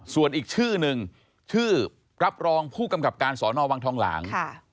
ส่วนอีกชื่อหนึ่งชื่อรับรองผู้กำกับการสอนอวังทองหลาง